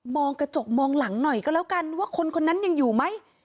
กระจกมองหลังหน่อยก็แล้วกันว่าคนคนนั้นยังอยู่ไหม